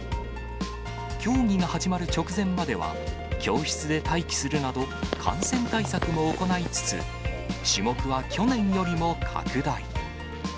競技が始まる直前までは教室で待機するなど、感染対策も行いつつ、種目は去年よりも拡大。